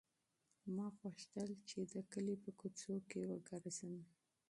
ما غوښتل چې د کلي په کوڅو کې وګرځم.